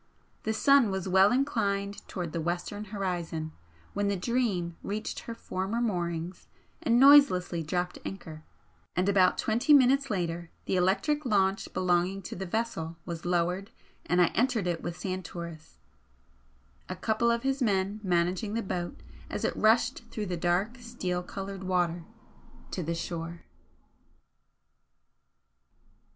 The sun was well inclined towards the western horizon when the 'Dream' reached her former moorings and noiselessly dropped anchor, and about twenty minutes later the electric launch belonging to the vessel was lowered and I entered it with Santoris, a couple of his men managing the boat as it rushed through the dark steel coloured water to the shore.